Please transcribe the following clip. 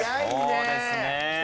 そうですね。